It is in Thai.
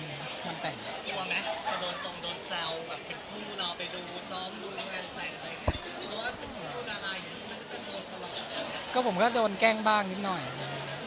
กลัวไหมถ้าโดนช่องโดนเจ้าแบบเผ็ดผู้น่าวไปดูซ้อมดูทางงานแบบนี้